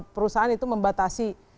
perusahaan itu membatasi